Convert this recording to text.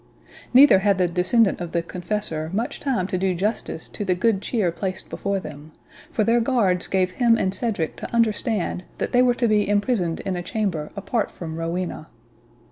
Neither had the descendant of the Confessor much time to do justice to the good cheer placed before them, for their guards gave him and Cedric to understand that they were to be imprisoned in a chamber apart from Rowena.